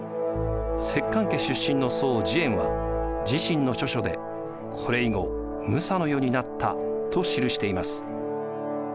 摂関家出身の僧慈円は自身の著書で「これ以後武者の世になった」と記しています。